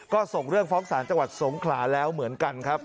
ก็ส่งเรื่องฟ้องศาลจังหวัดสงขลาแล้วเหมือนกันครับ